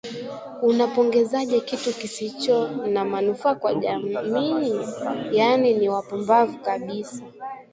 Unapongezaje kitu kisicho na manufaa kwa jamii? Yaani ni wapumbavu kabisa